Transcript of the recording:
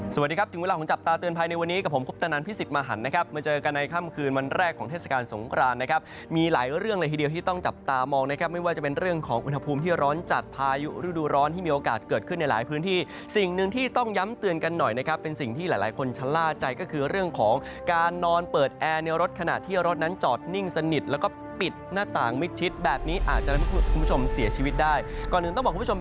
สวัสดีครับจึงเวลาของจับตาเตือนภายในวันนี้กับผมคุณตนันพิสิทธิ์มาหันนะครับมาเจอกันในค่ำคืนวันแรกของเทศกาลสงครานนะครับมีหลายเรื่องเลยทีเดียวที่ต้องจับตามองนะครับไม่ว่าจะเป็นเรื่องของอุณหภูมิที่ร้อนจัดพายุรูดูร้อนที่มีโอกาสเกิดขึ้นในหลายพื้นที่สิ่งหนึ่งที่ต้องย้ำเตือนกันหน